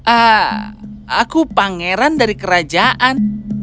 ah aku pangeran dari kerajaan